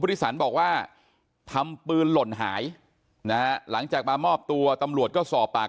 ที่สันบอกว่าทำปืนหล่นหายนะหลังจากมามอบตัวตำรวจก็สอบปาก